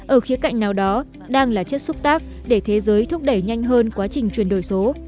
ở khía cạnh nào đó đang là chất xúc tác để thế giới thúc đẩy nhanh hơn quá trình chuyển đổi số